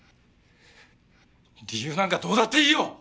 理由なんかどうだっていいよ！